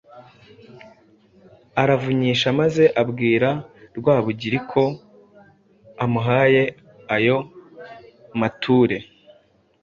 aravunyisha maze abwira Rwabugili ko amuhaye ayo mature